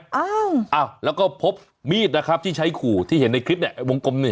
อ้าวอ้าวแล้วก็พบมีดนะครับที่ใช้ขู่ที่เห็นในคลิปเนี่ยวงกลมหนึ่ง